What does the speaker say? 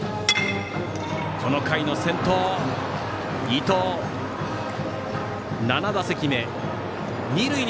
この回の先頭、伊藤、７打席目。